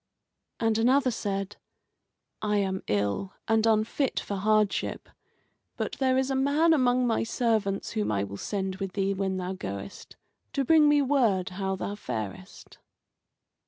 And another said: "I am ill and unfit for hardship, but there is a man among my servants whom I will send with thee when thou goest, to bring me word how thou farest."